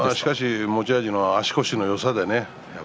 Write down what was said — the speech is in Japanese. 持ち味の足腰のよさ